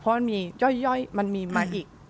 เพราะมันมีย่อยมันมีมาอีก